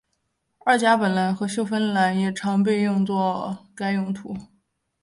二甲苯蓝和溴酚蓝也常被用于该用途。